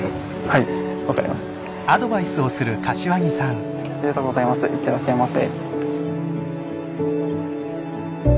いってらっしゃいませ。